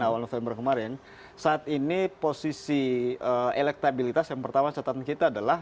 awal november kemarin saat ini posisi elektabilitas yang pertama catatan kita adalah